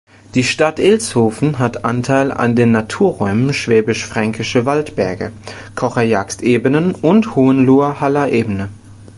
Die Stadt Ilshofen hat Anteil an den Naturräumen Schwäbisch-Fränkische Waldberge, Kocher-Jagst-Ebenen und Hohenloher-Haller Ebene.